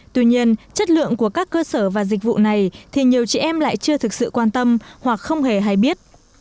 tuy nhiên chất lượng của các cơ sở và dịch vụ này thì nhiều chị em lại chưa thực sự quan tâm hoặc không hề hay biết